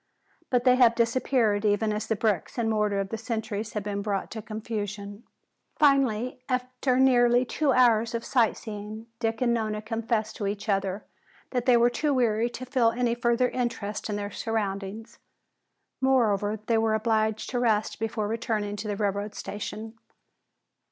But they have disappeared even as the bricks and mortar of the centuries have been brought to confusion. Finally after nearly two hours of sightseeing Dick and Nona confessed to each other that they were too weary to feel any further interest in their surroundings. Moreover, they were obliged to rest before returning to the railroad station.